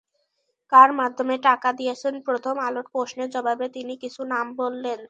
কার মাধ্যমে টাকা দিয়েছেন, প্রথম আলোর প্রশ্নের জবাবে তিনি কিছু নাম বললেন।